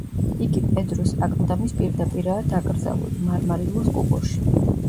იგი პედრუს აკლდამის პირდაპირაა დაკრძალული, მარმარილოს კუბოში.